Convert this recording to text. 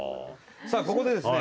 さあここでですね